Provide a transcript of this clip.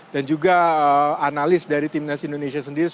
dan juga analis dari tim nasional indonesia sendiri